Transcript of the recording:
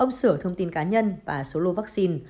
ông sửa thông tin cá nhân và số lô vaccine